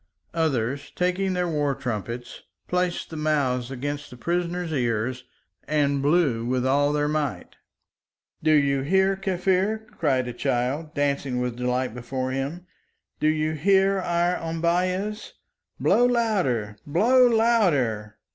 Others, taking their war trumpets, placed the mouths against the prisoner's ears and blew with all their might. "Do you hear, Kaffir?" cried a child, dancing with delight before him. "Do you hear our ombeyehs? Blow louder! Blow louder!"